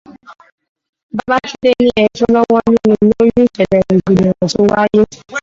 Babátúndé ní ejò lọ́wọ́ nínú lórí ìsẹ̀lẹ̀ rògbòdìyàn tó ń wáyé.